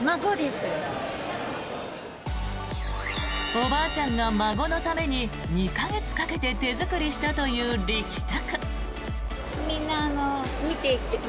おばあちゃんが孫のために２か月かけて手作りしたという力作。